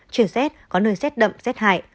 trời rét có nơi rét đậm rét hại